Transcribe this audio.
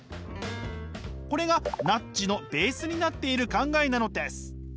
これがナッジのベースになっている考えなのです。